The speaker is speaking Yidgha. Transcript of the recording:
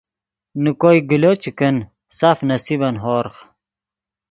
نے کوئے گلو چے کن سف نصیبن ہورغ